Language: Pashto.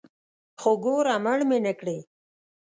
خو ګوره مړ مې نکړې.